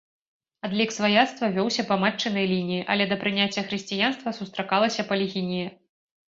Адлік сваяцтва вёўся па матчынай лініі, але да прыняцця хрысціянства сустракалася палігінія.